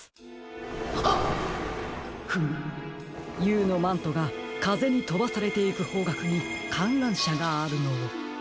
Ｕのマントがかぜにとばされていくほうがくにかんらんしゃがあるのを。